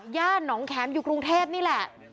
ญาติหนองแขมป์อยู่กรุงเทพนี่แหละ